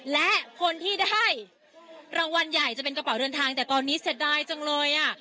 และคนที่ได้รางวัลใหญ่จะเป็นกระเป๋าเดินทางแต่ตอนนี้เสียดายจังเลยอ่ะ